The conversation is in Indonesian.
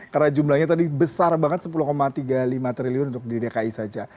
karena jumlahnya tadi besar banget sepuluh tiga puluh lima triliun untuk di dki saja